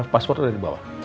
password udah dibawa